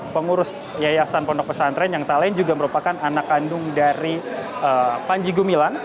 pengurus yayasan pondok pesantren yang tak lain juga merupakan anak kandung dari panji gumilang